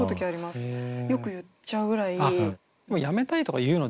よく言っちゃうぐらい。